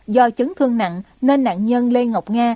do chấn thương nặng nên nạn nhân lê ngọc nga